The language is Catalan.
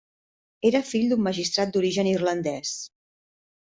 Era fill d'un magistrat d'origen irlandès.